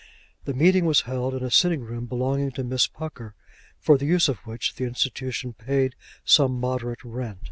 The meeting was held in a sitting room belonging to Miss Pucker, for the use of which the Institution paid some moderate rent.